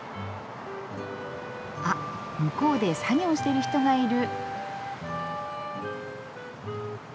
あっ向こうで作業してる人がいる。